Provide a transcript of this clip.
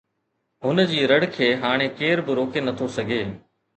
هن جي رڙ کي هاڻي ڪير به روڪي نٿو سگهي